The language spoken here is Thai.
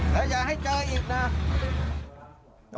แต่อย่าให้เจออีกนะ